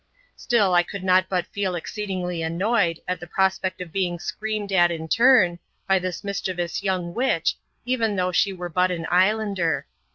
Still, I could not but feel exceedingly annoyed at the prospect of being screamed at in turn, by this mischievous young witch, even though she were but an islander.